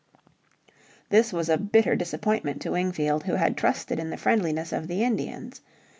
This was a bitter disappointment to Wingfield who had trusted in the friendliness of the Indians.